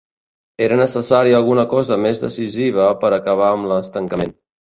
Era necessària alguna cosa més decisiva per acabar amb l'estancament.